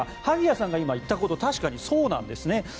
萩谷さんが今言ったこと確かにそうなんですね。